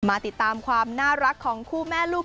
มาติดตามความน่ารักของคู่แม่ลูก